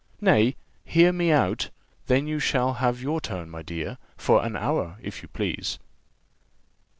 Nay, hear me out, then you shall have your turn, my dear, for an hour, if you please.